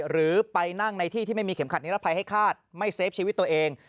หรือไปนั่งในที่ที่ไม่มีเข็มขัดนิรภัยให้คาดไม่เซฟชีวิตตัวเอง